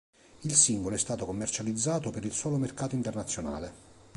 Il singolo è stato commercializzato per il solo mercato internazionale.